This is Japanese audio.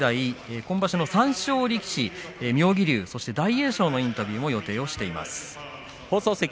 今場所の三賞力士妙義龍、そして大栄翔のインタビューも予定しています。